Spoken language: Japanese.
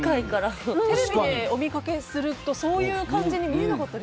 テレビでお見かけするとそういう感じに見えなかった。